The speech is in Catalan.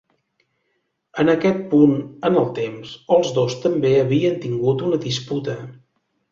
En aquest punt en el temps, els dos també havien tingut una disputa.